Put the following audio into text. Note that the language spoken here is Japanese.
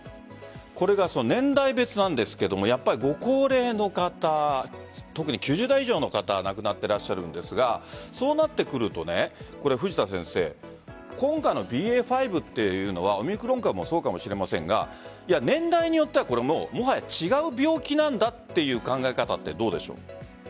これが年代別なんですがご高齢の方特に９０代以上の方が亡くなっていらっしゃるんですがそうなってくると今回のＢＡ．５というのはオミクロン株もそうかもしれませんが年代によってはもはや違う病気なんだという考え方ってどうでしょうか？